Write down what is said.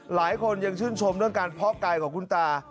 หลายคนยังชื่นชมเรื่องการเพาะกายของคุณตา